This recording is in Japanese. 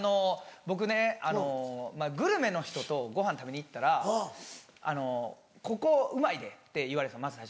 僕ねあのグルメの人とごはん食べに行ったらあの「ここうまいで」って言われるんですよ